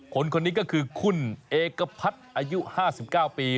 คนนี้ก็คือคุณเอกพัฒน์อายุ๕๙ปี